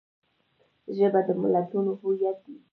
ژبه د ملتونو هویت دی